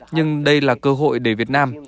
nhưng đây là cơ hội để việt nam